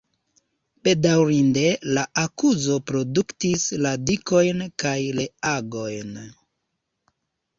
Bedaŭrinde, la akuzo produktis radikojn kaj reagojn.